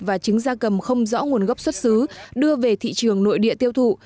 và chứng ra cầm không rõ nguồn gốc xuất xứ đưa về thị trường nội địa tiêu thụ